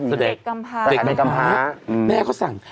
สถานที่กำพ้าแม่เขาสั่ง